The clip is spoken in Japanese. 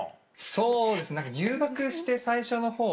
そうですね何か入学して最初のほうは。